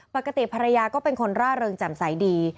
ปกติภรรยาก็เป็นคนร่าเริงแจ่มใสดี